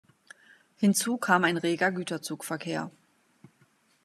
Hinzu kam ein reger Güterzugverkehr.